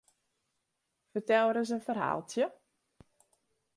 Fertel ris in ferhaaltsje?